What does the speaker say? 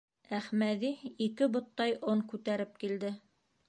Әхмәҙи ике боттай он күтәреп килде.